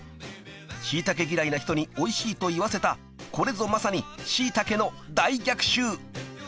［『しいたけ』嫌いな人に美味しいと言わせたこれぞ正に、『しいたけの大逆襲』］